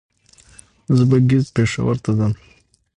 زه به ګهيځ پېښور ته ځم